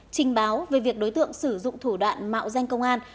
trình báo về việc đối tượng sử dụng thủ đoạn mạo danh công an